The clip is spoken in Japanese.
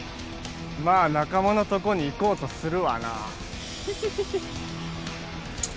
まあ仲間のとこに行こうとするわなヒヒヒヒヒヒ！